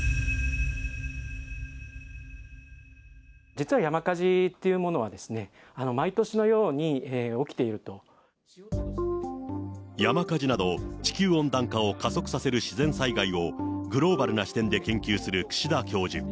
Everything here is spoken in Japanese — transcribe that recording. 実は山火事っていうものは、山火事など、地球温暖化を加速させる自然災害をグローバルな視点で研究する串田教授。